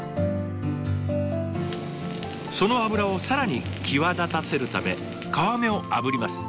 その脂を更に際立たせるため皮目をあぶります。